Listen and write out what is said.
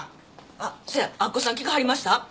あっそや明子さん聞かはりました？